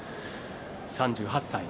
３８歳。